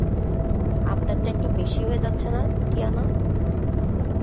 আবদারটা একটু বেশি হয়ে যাচ্ছে না, টিয়ানা?